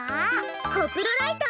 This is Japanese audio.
コプロライト！